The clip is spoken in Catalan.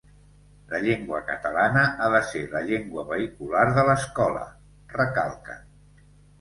“La llengua catalana ha de ser la llengua vehicular de l’escola”, recalquen.